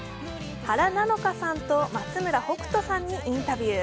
原菜乃華さんと松村北斗さんにインタビュー。